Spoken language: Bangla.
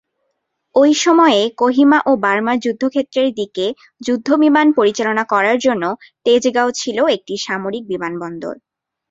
ওই সময়ে কোহিমা ও বার্মার যুদ্ধ ক্ষেত্রের দিকে যুদ্ধ বিমান পরিচালনা করার জন্য তেজগাঁও ছিল একটি সামরিক বিমানবন্দর।